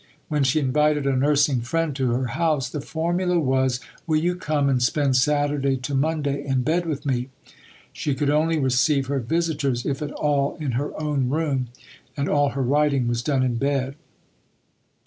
When she invited a nursing friend to her house, the formula was "Will you come and spend Saturday to Monday in bed with me?" She could only receive her visitors, if at all, in her own room, and all her writing was done in bed.